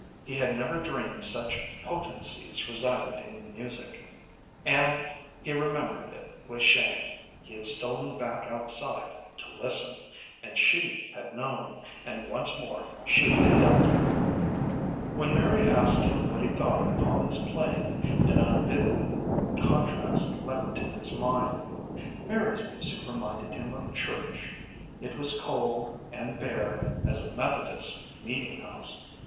He had never dreamed such potencies resided in music. And then, and he remembered it with shame, he had stolen back outside to listen, and she had known, and once more she had devilled him. When Mary asked him what he thought of Polly's playing, an unbidden contrast leaped to his mind. Mary's music reminded him of church. It was cold and bare as a Methodist meeting house.